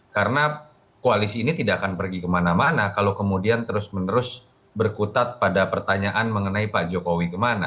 karena koalisi ini tidak akan pergi kemana mana kalau kemudian terus menerus berkutat pada pertanyaan mengenai pak jokowi kemana